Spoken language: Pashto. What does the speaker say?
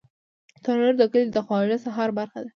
تنور د کلي د خواږه سهار برخه ده